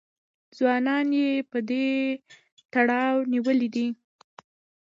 ځوانان یې په دې تړاو نیولي دي